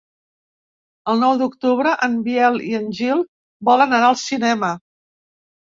El nou d'octubre en Biel i en Gil volen anar al cinema.